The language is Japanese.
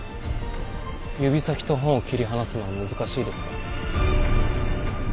指先と本を切り離すのは難しいですか？